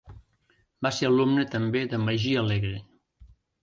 Va ser alumne també de Magí Alegre.